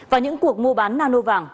và những cuộc mua bán nano vàng